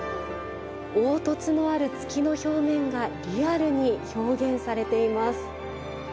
凹凸のある月の表面がリアルに表現されています。